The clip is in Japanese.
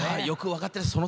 よく分かっている。